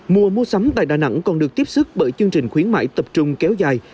mùa mua sắm tại đà nẵng còn được tiếp xúc bởi chương trình khuyến mãi tập trung kéo dài